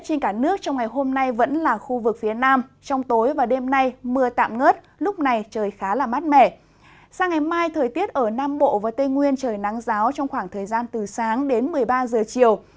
sang ngày mai thời tiết ở nam bộ và tây nguyên trời nắng giáo trong khoảng thời gian từ sáng đến một mươi ba giờ chiều